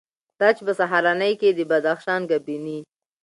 دا چې په سهارنۍ کې یې د بدخشان ګبیني،